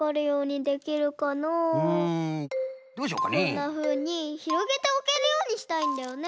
こんなふうにひろげておけるようにしたいんだよね。